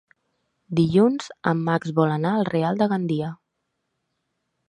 Dilluns en Max vol anar al Real de Gandia.